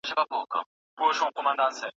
پښتو د بډایه کلتور او تاریخ مالکه ده.